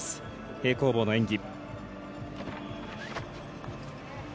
平行棒の演技。